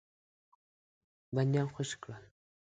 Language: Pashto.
بندیان خوشي کړل.